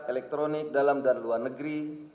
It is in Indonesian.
elektronik dalam dan luar negeri